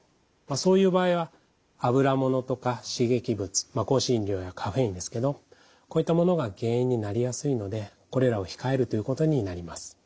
そういう場合はあぶらものとか刺激物香辛料やカフェインですけどこういったものが原因になりやすいのでこれらを控えるということになります。